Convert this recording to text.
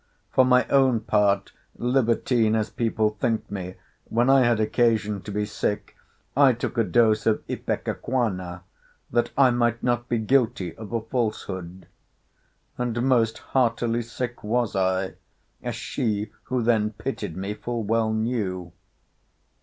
For my own part, libertine as people think me, when I had occasion to be sick, I took a dose of ipecacuanha, that I might not be guilty of a falsehood; and most heartily sick was I; as she, who then pitied me, full well knew.